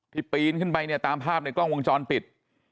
ปีนขึ้นไปเนี่ยตามภาพในกล้องวงจรปิด